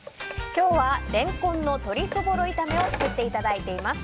今日はレンコンの鶏そぼろ炒めを作っていただいています。